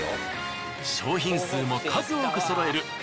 商品数も数多くそろえる